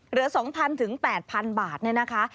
เหลือ๒๐๐๘๐๐๐บาทเนี่ยนะคะ